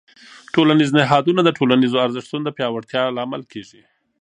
ټولنیز نهادونه د ټولنیزو ارزښتونو د پیاوړتیا لامل کېږي.